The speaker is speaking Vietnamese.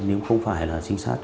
nếu không phải là trinh sát